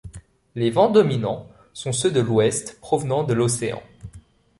Les vents dominants sont ceux de l'Ouest provenant de l'océan.